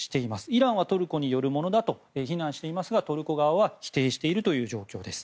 イランはトルコによるものだと非難していますがトルコは否定している状況です。